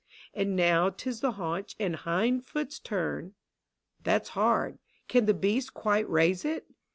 And now 'tis the haunch and hind foot's turn — That's hard : can the beast quite raise it